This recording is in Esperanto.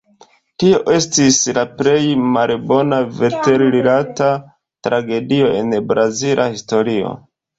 Tio estis la plej malbona veter-rilata tragedio en la brazila historio.